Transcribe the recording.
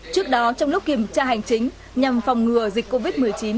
trước đó trong lúc kiểm tra hành chính nhằm phòng ngừa dịch covid một mươi chín